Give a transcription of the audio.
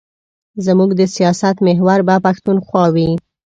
زموږ د سیاست محور به پښتونخوا وي.